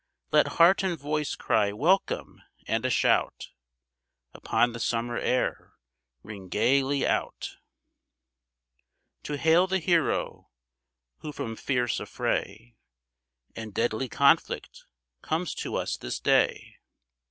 Let heart and voice cry "welcome," and a shout, Upon the summer air, ring gayly out, To hail the hero, who from fierce affray And deadly conflict comes to us this day.